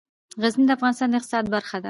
غزني د افغانستان د اقتصاد برخه ده.